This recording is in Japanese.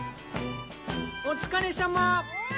お疲れさま。